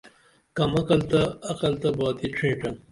کم عقل تہ عقل تہ باتی ڇھیڇن